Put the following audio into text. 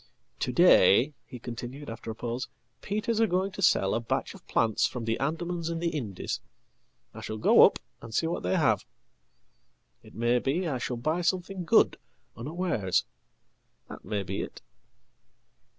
"To day," he continued, after a pause, "Peters' are going to sell a batchof plants from the Andamans and the Indies. I shall go up and see whatthey have. It may be I shall buy something good unawares. That may be it."